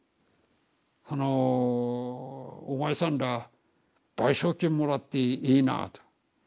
あの「お前さんら賠償金もらっていいな」と。